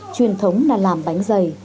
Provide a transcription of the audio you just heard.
truyền thống là làm bánh dày